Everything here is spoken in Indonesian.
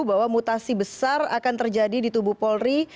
bahwa mutasi besar akan terjadi di tubuh polri